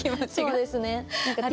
そうですね。